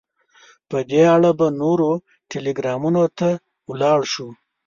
په دې اړه به نورو ټلګرامونو ته ولاړ شو.